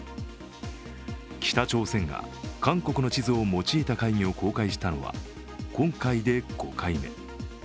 北朝鮮が韓国の地図を用いた会議を公開したのは今回で５回目。